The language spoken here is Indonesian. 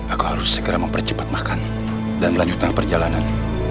aku harus segera mempercepat makan dan melanjutkan perjalanan